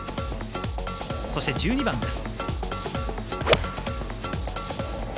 そして１２番です。